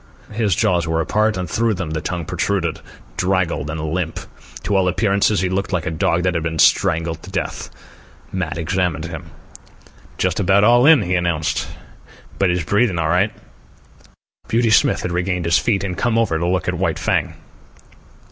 His jaws were apart, and through them the tongue protruded, draggled and limp. To all appearances he looked like a dog that had been strangled to death. Matt examined him. "Just about all in," he announced; "but he's breathin' all right." Beauty Smith had regained his feet and come over to look at White Fang.